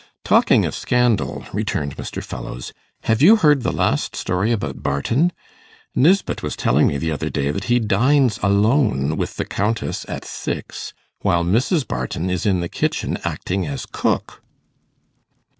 'Talking of scandal,' returned Mr. Fellowes, 'have you heard the last story about Barton? Nisbett was telling me the other day that he dines alone with the Countess at six, while Mrs. Barton is in the kitchen acting as cook.